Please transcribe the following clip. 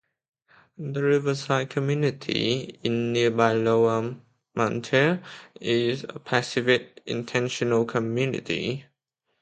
The Riverside Community, in nearby Lower Moutere is a pacifist intentional community.